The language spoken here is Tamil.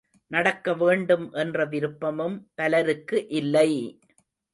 நடக்க வேண்டும் என்ற விருப்பமும் பலருக்கு இல்லை!